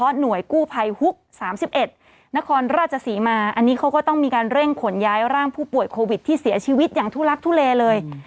หน่วยกู้ภัยฮุก๓๑นครราชศรีมาอันนี้เขาก็ต้องมีการเร่งขนย้ายร่างผู้ป่วยโควิดที่เสียชีวิตอย่างทุลักทุเลเลย